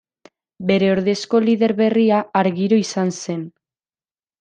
Bere ordezko lider berria Argiro izan zen.